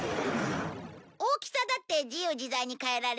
大きさだって自由自在に変えられるよ。